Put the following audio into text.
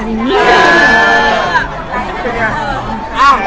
อาหาร